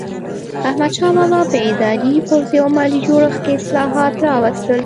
احمدشاه بابا په اداري، پوځي او مالي جوړښت کې اصلاحات راوستل.